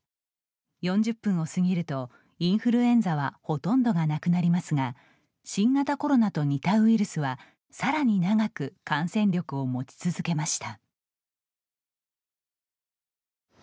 ４０分を過ぎるとインフルエンザはほとんどがなくなりますが新型コロナと似たウイルスはさらに長く感染力を持ち続けました。